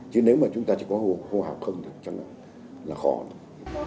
chứ nếu mà chúng ta chỉ có hồ hào không thì chắc là khó lắm